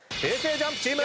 ＪＵＭＰチーム！